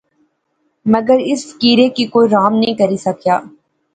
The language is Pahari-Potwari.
مگر اس فقیرے کی کوئی رام نی کری سکیا